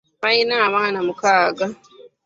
Baalina abaana mukaaga